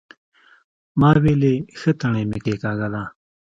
ما ويلې ښه تڼۍ مې کېکاږله.